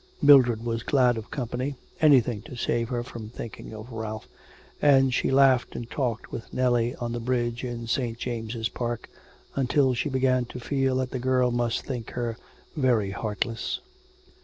Mildred was glad of company, anything to save her from thinking of Ralph, and she laughed and talked with Nellie on the bridge in St. James' Park, until she began to feel that the girl must think her very heartless.